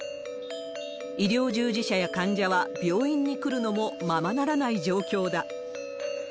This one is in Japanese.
医療従事者や患者は病院に来るのもままならない状況だ。